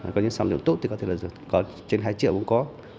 có những sản lượng tốt thì có thể là có trên hai triệu cũng có